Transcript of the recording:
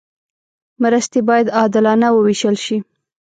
مرستې باید عادلانه وویشل شي.